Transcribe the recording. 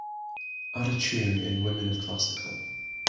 add a tune in women of classical